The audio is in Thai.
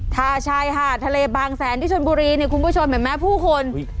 ทาชายหาดทะเลบางแสนที่ชนบุรีเนี่ยคุณผู้ชมเห็นไหมผู้คน